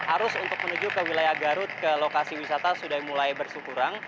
arus untuk menuju ke wilayah garut ke lokasi wisata sudah mulai bersukurang